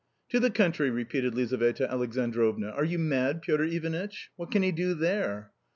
I / "To the country !" repeatecTXizaveta Alexandrovna; "are / you mad, Piotr ivanitch ? What can he do there